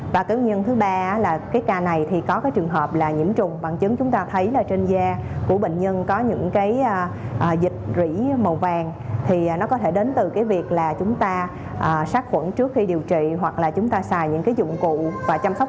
và nguyên nhân thứ ba là cái ca này thì có trường hợp là nhiễm trùng bằng chứng chúng ta thấy là trên da của bệnh nhân có những dịch rỉ màu vàng thì nó có thể đến từ việc chúng ta sát khuẩn trước khi điều trị hoặc là chúng ta xài những dụng cụ và chăm sóc